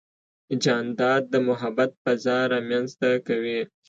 جانداد د محبت فضا رامنځته کوي.